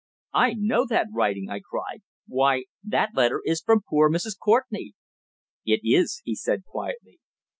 "I know that writing!" I cried. "Why that letter is from poor Mrs. Courtenay!" "It is," he said, quietly.